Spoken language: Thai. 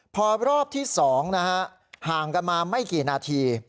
พอรอบที่๒นะฮะห่างกันมาไม่กี่นาที